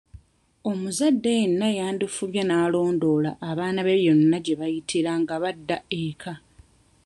Omuzadde yenna yandifubye n'alondoola abaana be yonna gye bayitira nga badda eka.